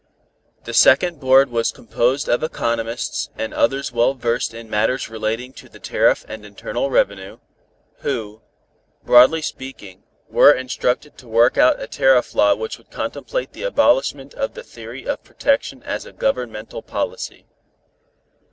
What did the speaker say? The second board was composed of economists and others well versed in matters relating to the tariff and Internal Revenue, who, broadly speaking, were instructed to work out a tariff law which would contemplate the abolishment of the theory of protection as a governmental policy.